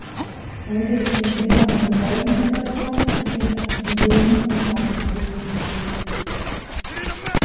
Heute ist sie in mehreren Gebäuden untergebracht und dient als Museum und Forschungsbibliothek.